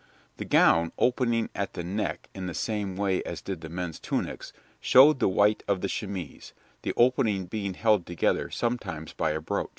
The gown, opening at the neck in the same way as did the men's tunics, showed the white of the chemise, the opening being held together sometimes by a brooch.